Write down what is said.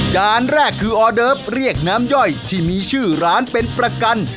จานแรกคือออเดิฟเรียกน้ำย่อยที่มีชื่อร้านเป็นประกัน